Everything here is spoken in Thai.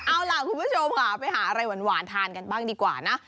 เอาล่ะคุณผู้ชมค่ะไปหาอะไรหวานทานกันบ้างดีกว่านะ